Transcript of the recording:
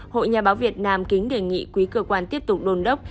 hội nhà báo việt nam kính đề nghị quý cơ quan tiếp tục đôn đốc